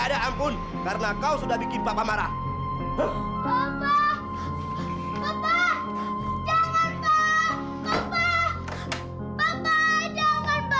ada ampun karena kau sudah bikin papa marah